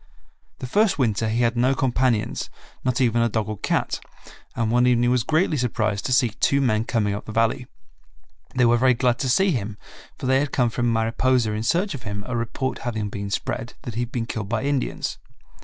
The first winter he had no companions, not even a dog or cat, and one evening was greatly surprised to see two men coming up the Valley. They were very glad to see him, for they had come from Mariposa in search of him, a report having been spread that he had been killed by Indians.